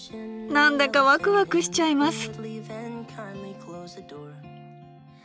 なんだかワクワクしちゃいます。